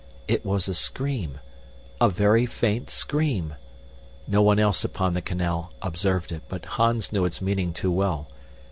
It was a scream a very faint scream! No one else upon the canal observed it, but Hans knew its meaning too well.